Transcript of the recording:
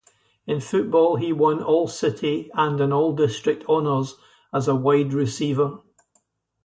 In football, he won All-City and an All-District honors as a wide receiver.